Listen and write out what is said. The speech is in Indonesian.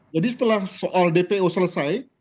jadi setelah soal dpo selesai